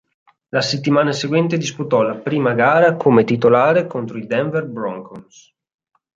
La settimana seguente disputò la prima gara come titolare contro i Denver Broncos.